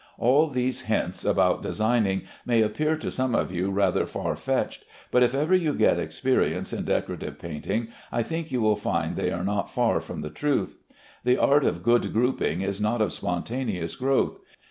All these hints about designing may appear to some of you rather far fetched, but if ever you get experience in decorative painting, I think you will find they are not far from the truth. The art of good grouping is not of spontaneous growth.